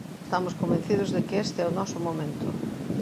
Estamos convencidos de que este é o noso momento.